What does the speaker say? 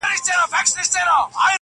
نه یې وېره له انسان وه نه له خدایه،